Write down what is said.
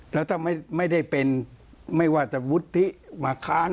แล้วถ้าไม่ได้เป็นไม่ว่าจะวุฒิมาค้าน